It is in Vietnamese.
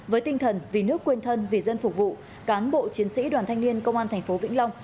với tinh thần vì nước quên thân vì dân phục vụ cán bộ chiến sĩ đoàn thanh niên công an thành phố vĩnh long